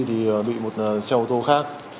thì bị một xe ô tô khác